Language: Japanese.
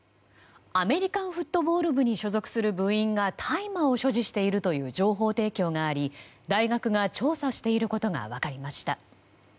アメリカンフットボール部に所属する部員が大麻を所持しているという情報提供があり大学が調査していることが分かりました。